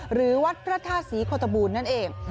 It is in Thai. หรือวัดพระธาตุศรีโคตบูรณนั่นเอง